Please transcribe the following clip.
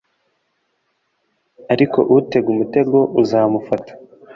naho utega umutego uzamufata